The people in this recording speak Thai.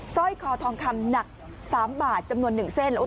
สร้อยคอทองคำหนัก๓บาทจำนวน๑เส้น